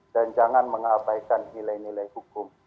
dan jangan mengabaikan nilai nilai hukum